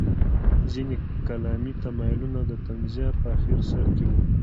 ځینې کلامي تمایلونه د تنزیه په اخر سر کې وو.